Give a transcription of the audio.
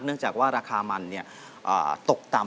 เพื่อจะไปชิงรางวัลเงินล้าน